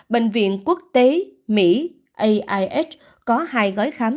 bệnh viện quốc tế mỹ ais có hai gói khám